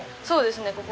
そうですね